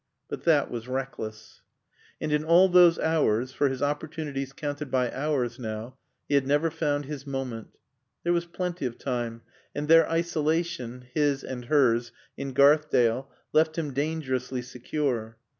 But that was reckless. And in all those hours, for his opportunities counted by hours now, he had never found his moment. There was plenty of time, and their isolation (his and hers) in Garthdale left him dangerously secure.